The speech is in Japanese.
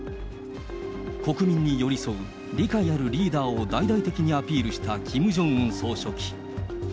国民に寄り添う理解あるリーダーを大々的にアピールしたキム・ジョンウン総書記。